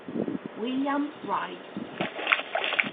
William Wright